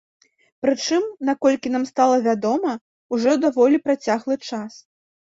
Прычым, наколькі нам стала вядома, ужо даволі працяглы час.